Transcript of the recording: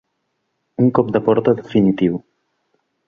Un cop de porta definitiu.